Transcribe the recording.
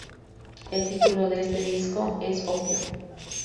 El título de este disco es "Opio".